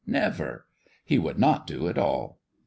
Never ! He would not do at all